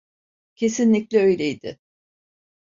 Kesinlikle öyleydi.